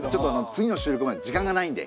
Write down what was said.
次の収録まで時間がないんで。